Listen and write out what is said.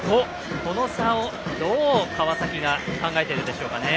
この差を、どう川崎が考えているでしょうかね。